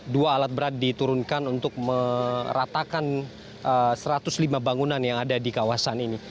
dua alat berat diturunkan untuk meratakan satu ratus lima bangunan yang ada di kawasan ini